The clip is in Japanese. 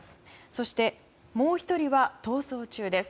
そして、もう１人は逃走中です。